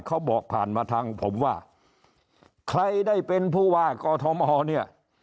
เขาบอกผ่านมาทางผมว่าใครได้เป็นผู้ว่ากอทมเนี่ย